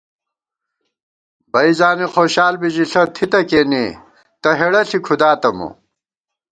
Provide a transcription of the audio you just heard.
بئ زانی خوشال بی ژِݪہ ، تھِتہ کېنے تہ ہېڑہ ݪی کھُداتہ مو